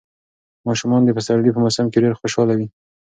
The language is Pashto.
ماشومان د پسرلي په موسم کې ډېر خوشاله وي.